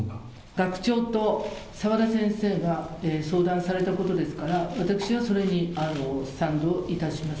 学長と澤田先生が相談されたことですから、私はそれに賛同いたします。